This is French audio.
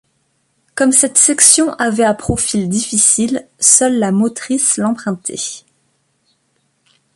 Comme cette section avait à profil difficile, seul la motrice l'empruntait.